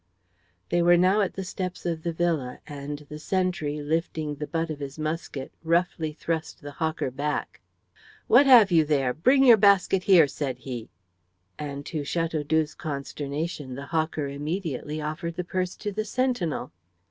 They were now at the steps of the villa, and the sentry, lifting the butt of his musket, roughly thrust the hawker back. "What have you there? Bring your basket here," said he; and to Chateaudoux's consternation the hawker immediately offered the purse to the sentinel.